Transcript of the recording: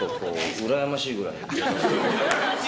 うらやましいぐらい？